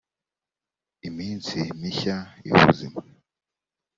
iminsi mishya y’ubuzima